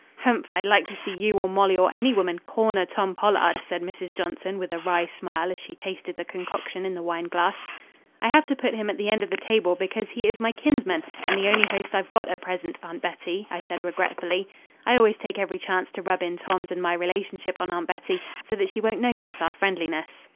"Humph, I'd like to see you or Molly or any woman 'corner' Tom Pollard," said Mrs. Johnson with a wry smile as she tasted the concoction in the wine glass. "I have to put him at the end of the table because he is my kinsman and the only host I've got at present, Aunt Bettie," I said regretfully. I always take every chance to rub in Tom's and my relationship on Aunt Bettie, so that she won't notice our friendliness.